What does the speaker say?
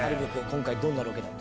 今回どんなロケでした？